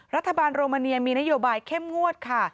รัฐบาลโรมาเนียมีนโยบายเข้มงวดค่ะ